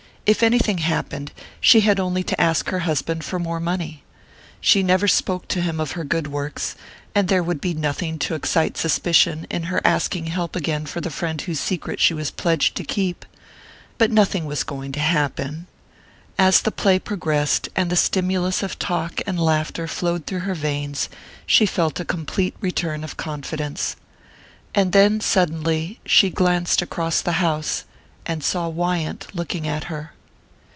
If anything happened she had only to ask her husband for more money. She never spoke to him of her good works, and there would be nothing to excite suspicion in her asking help again for the friend whose secret she was pledged to keep.... But nothing was going to happen. As the play progressed, and the stimulus of talk and laughter flowed through her veins, she felt a complete return of confidence. And then suddenly she glanced across the house, and saw Wyant looking at her.